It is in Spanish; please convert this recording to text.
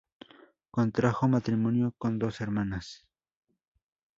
Contrajo matrimonio con dos hermanas.